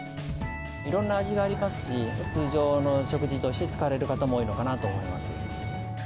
いろんな味がありますし、通常の食事として使われる方も多いのかなと思います。